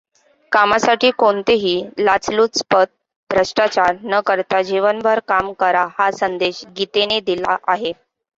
कामासाठी कोणतीही लाचलुचपत, भ्रष्टाचार न करता जीवनभर काम करा हाच संदेश गीतेने दिला आहे.